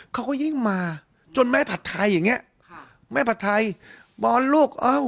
เขาก็ยิ่งมาจนแม่ผัดไทยอย่างเงี้ยค่ะแม่ผัดไทยบอลลูกเอ้า